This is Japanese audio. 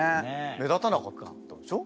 目立たなかったでしょ？